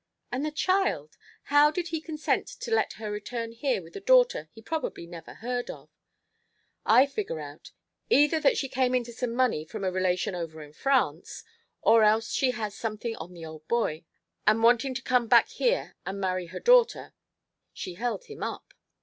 "And the child? How did he consent to let her return here with a daughter he probably never had heard of " "I figger out, either that she came into some money from a relation over in France, or else she has something on the old boy, and wanting to come back here and marry her daughter, she held him up.